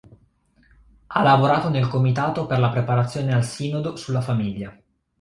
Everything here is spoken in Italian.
Ha lavorato nel comitato per la preparazione al Sinodo sulla Famiglia.